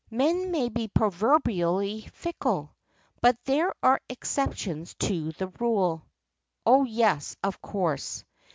Men may be proverbially fickle, but there are exceptions to the rule." "Oh, yes, of course."